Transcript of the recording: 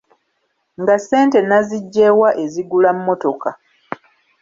Nga ssente nazigye wa ezigula mmotoka?